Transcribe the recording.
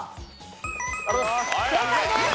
正解です。